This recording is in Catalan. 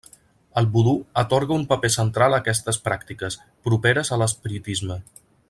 El vodú atorga un paper central a aquestes pràctiques, properes a l'espiritisme.